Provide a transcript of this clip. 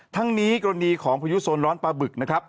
ทั้งนี้กรณีของพายุโซนร้อนปลาบึกนะครับ